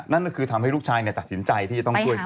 นั่นก็คือทำให้ลูกชายตัดสินใจที่จะต้องช่วยเขา